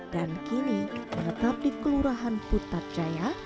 dan kini menetap di kelurahan putar jaya